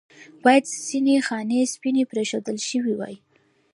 باید ځنې خانې سپینې پرېښودل شوې واې.